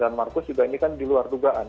dan markus juga ini kan di luar dugaan